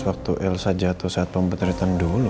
waktu elsa jatuh saat pembetaratan dulu